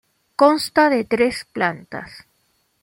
Consta de tres plantas.